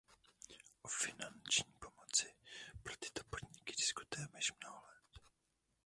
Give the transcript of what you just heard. O finanční pomoci pro tyto podniky diskutujeme již mnoho let.